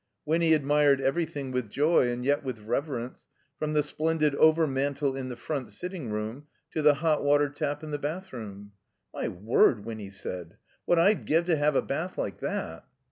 Winny admired everything with joy and yet with reverence, from the splendid overmantel in the front sitting room to the hot water tap in the bathroom. "My word," Winny said, "what I'd give to have a bath like that!"